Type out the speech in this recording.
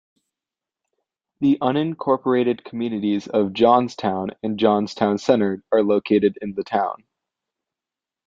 The unincorporated communities of Johnstown and Johnstown Center are located in the town.